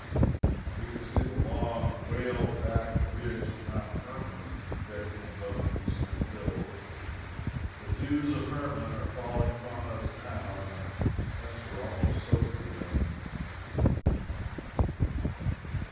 We can see the long, whale backed ridge of Mount Hermon projecting above the eastern hills. The "dews of Hermon" are falling upon us now, and the tents are almost soaked with them.